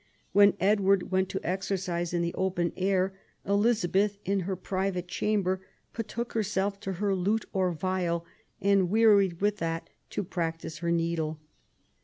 When Edward went to exercise in the open air, Eliza beth, in her private chamber, betook herself to her lute or viol, and, wearied with that, to practise her needle".